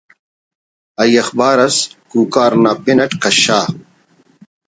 ئی اخبار اس ”کوکار“ نا پن اٹ کشا